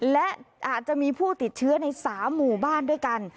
และอาจจะมีผู้ติดเชื้อใน๓หมู่บ้านด้วยกัน